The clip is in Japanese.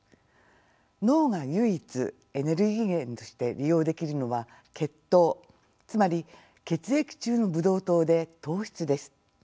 脳が唯一エネルギー源として利用できるのは血糖つまり血液中のブドウ糖で糖質です。